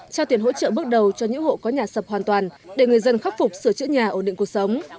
trao tiền hỗ trợ bước đầu cho những hộ có nhà sập hoàn toàn để người dân khắc phục sửa chữa nhà ổn định cuộc sống